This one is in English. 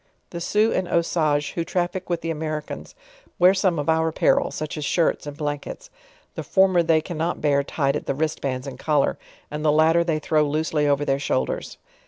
The Sioux and Usages, who traffic with. the Americans, wear some of our apparel, such as shirts and blankets; the former they cannot bear tied at the wristbands and collar, and the latter they throw loosely over their shoul ders.